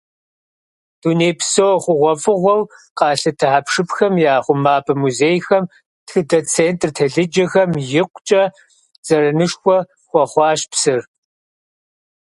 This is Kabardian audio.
Дунейпсо хъугъуэфӀыгъуэу къалъытэ хьэпшыпхэм я хъумапӀэ музейхэм, тхыдэ центр телъыджэхэм икъукӀэ зэранышхуэ хуэхъуащ псыр.